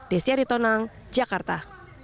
desya ritonang jakarta